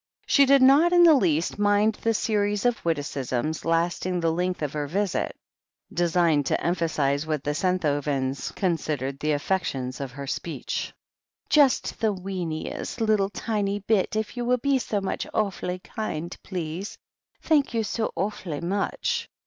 She did not in the least mind the series of witticisms, lasting the length of her visit, designed to emphasize what the Senthovens considered the affectations of her speech. S6 THE HEEL OF ACHILLES "Just the weeniest little tiny bit, if you will be so awf 'ly kind, please. Thank you so awf'ly much."